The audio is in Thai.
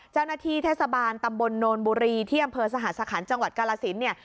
เจ้าหน้าที่เทศบาลตำบลโนนบุรีที่อำเภอสหสคัญจังหวัดกาลสินเนี่ย